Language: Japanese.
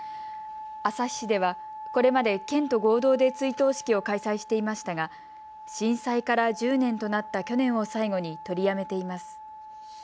旭市ではこれまで県と合同で追悼式を開催していましたが震災から１０年となった去年を最後に取りやめています。